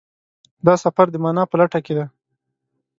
دا سفر د مانا په لټه کې دی.